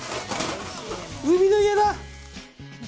海の家だ！